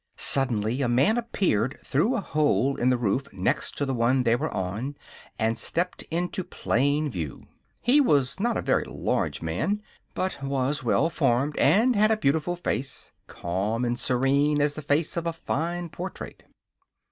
Suddenly a man appeared through a hole in the roof next to the one they were on and stepped into plain view. He was not a very large man, but was well formed and had a beautiful face calm and serene as the face of a fine portrait.